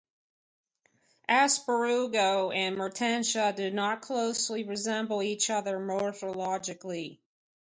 "Asperugo" and "Mertensia" do not closely resemble each other morphologically.